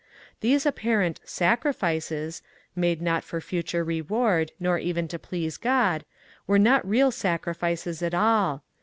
These apparent ^ sacrifices "— made not for future rewiurd nor even to please God — were not real sacrifices at all.